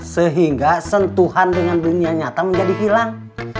sehingga sentuhan dengan dunia nyata menjadi hilang